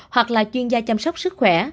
hoặc là chuyên gia chăm sóc sức khỏe